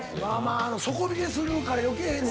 底冷えするから余計ええね